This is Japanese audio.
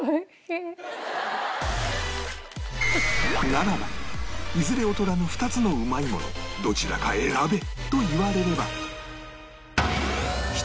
ならばいずれ劣らぬ２つのうまいものどちらか選べと言われれば